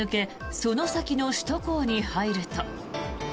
その先の首都高に入ると。